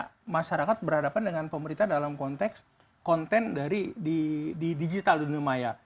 pertama seolah olah jangan sampai ke hanya masyarakat dengan pemerintah dalam konteks konten di digital dunia maya